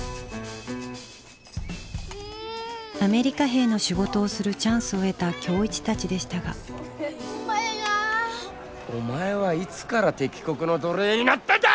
アメリカ兵の仕事をするチャンスを得た今日一たちでしたがお前はいつから敵国の奴隷になったんだ！